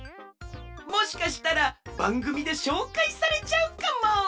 もしかしたらばんぐみでしょうかいされちゃうかも！？